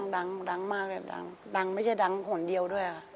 ดังมากเลยดังไม่ใช่ดังคนเดียวด้วยค่ะ